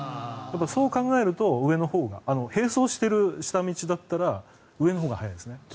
そう考えると上のほうが並走している下道だったら上のほうが早いですね。